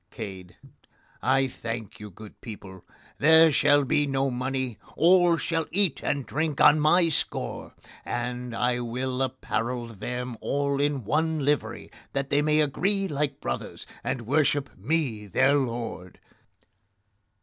CADE: I thank you, good people: there shall be no money; all shall eat and drink on my score; and I will apparel them all in one livery, that they may agree like brothers, and worship me, their lord.